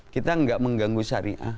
kita nggak mengganggu syariah